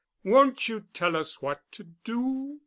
Won't you tell us what to do?"